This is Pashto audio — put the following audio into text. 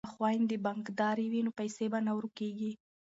که خویندې بانکدارې وي نو پیسې به نه ورکیږي.